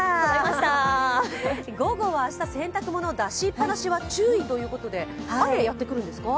午後は明日、洗濯物出しっぱなしは注意ということで雨がやってくるんですか？